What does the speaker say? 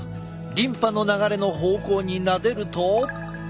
リンパの流れの方向になでると。